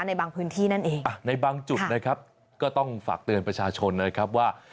ในบางพื้นที่นั่นเองอ่ะในบางจุดนะครับก็ต้องฝากเตือนประชาชนนะครับว่า